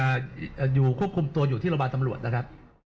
ยังครับเพราะว่าตอนนี้กบคุมตัวอยู่ที่ลงศาลตำรวจนะครับ